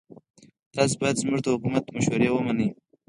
تاسو باید زموږ د حکومت مشورې ومنئ.